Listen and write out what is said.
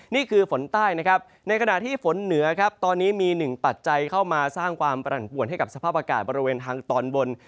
นี่คือฝนใต้นะครับในขณะที่ฝนเหนือครับตอนนี้มีหนึ่งปัจจัยเข้ามาสร้างความปรั่นป่วนให้กับสภาพอากาศบริเวณทางตอนบน